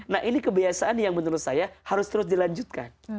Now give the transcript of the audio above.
nah ini kebiasaan yang menurut saya harus terus dilanjutkan